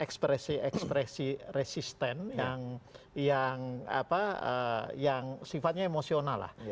ekspresi ekspresi resisten yang sifatnya emosional lah